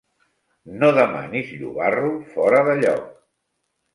No demanis llobarro fora de lloc.